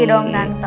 pasti dong tante